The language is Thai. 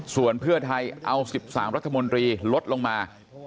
ส่วนเพื่อไทยเอา๑๓รัฐมนตรีลดลงมา